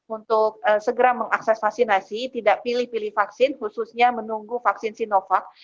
untuk segera mengakses vaksinasi tidak pilih pilih vaksin khususnya menunggu vaksin sinovac